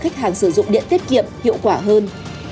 khách hàng sử dụng điện tiết kiệm hiệu quả hơn